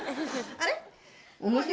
あれ？